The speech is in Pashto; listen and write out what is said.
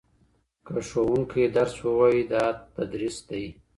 که ښوونکی درس ووايي دا تدريس دی.